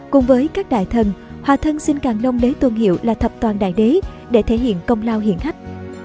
cùng với các đại thần hòa thân xin càng đông lấy tôn hiệu là thập toàn đại đế để thể hiện công lao hiện khách